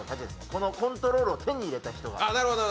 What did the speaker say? このコントロールを手に入れた人が。